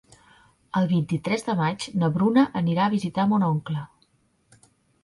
El vint-i-tres de maig na Bruna anirà a visitar mon oncle.